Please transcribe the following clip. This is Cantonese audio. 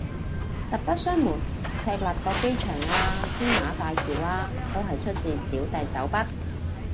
實不相瞞，赤鱲角機場啊青馬大橋啊都係出自小弟手筆